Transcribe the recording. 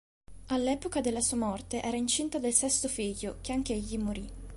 All'epoca della sua morte era incinta del sesto figlio, che anch'egli morì.